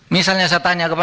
misalnya saya tanya kepada